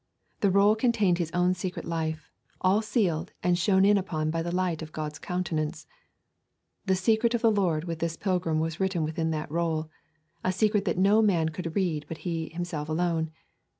The roll contained his own secret life, all sealed and shone in upon by the light of God's countenance. The secret of the Lord with this pilgrim was written within that roll, a secret that no man could read but he himself alone.